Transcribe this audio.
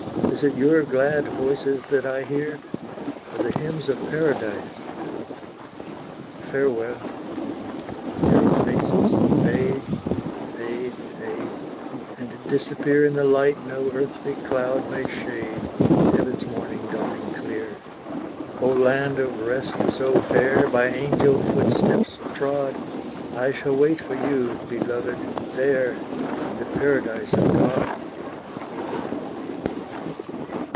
Is it your glad voices that I hear Or the hymns of paradise? Farewell your faces fade Fade fade and disappear In the light no earthly cloud may shade, Heaven's morning dawning clear. Oh, land of rest so fair By angel footsteps trod, I shall wait for you, beloved there, In the paradise of God.